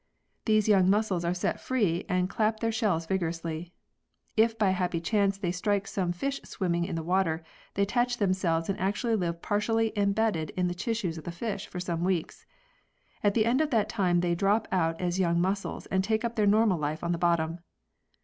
These young mussels are set free and clap their shells vigorously. If by a happy chance they strike some fish swimming in the water, they attach them selves and actually live partially embedded in the tissues of the fish for some weeks. At the end of that time they drop out as young mussels and take up their normal life on the bottom.